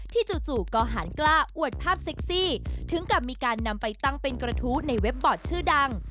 จู่ก็หันกล้าอวดภาพเซ็กซี่ถึงกับมีการนำไปตั้งเป็นกระทู้ในเว็บบอร์ดชื่อดัง